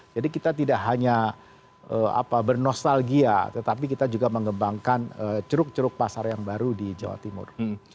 jadi kita tidak hanya bernostalgia tetapi kita juga mengembangkan ceruk ceruk pasar yang baru di jawa timur